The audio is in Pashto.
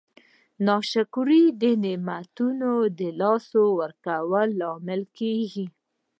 ناشکري د نعمتونو د لاسه ورکولو لامل کیږي.